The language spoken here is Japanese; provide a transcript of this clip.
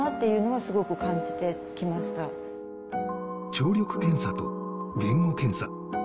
聴力検査と言語検査。